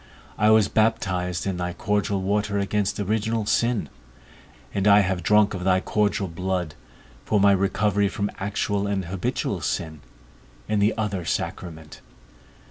I was baptized in thy cordial water against original sin, and I have drunk of thy cordial blood, for my recovery from actual and habitual sin, in the other sacrament.